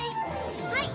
はい。